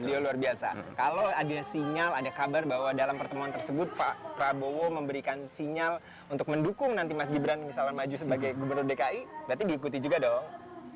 beliau luar biasa kalau ada sinyal ada kabar bahwa dalam pertemuan tersebut pak prabowo memberikan sinyal untuk mendukung nanti mas gibran misalnya maju sebagai gubernur dki berarti diikuti juga dong